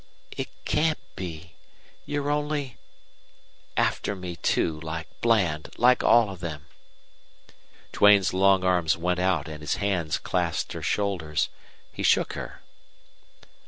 "It can't be. You're only after me, too, like Bland like all of them." Duane's long arms went out and his hands clasped her shoulders. He shook her.